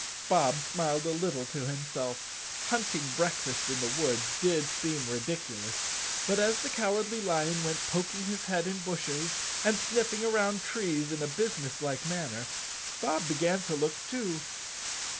Bob smiled a little to himself. Hunting breakfast in the woods did seem ridiculous but, as the Cowardly 176 _ Chapter Thirteen Lion went poking his head in bushes and sniffing around trees in a businesslike manner, Bob began to look too.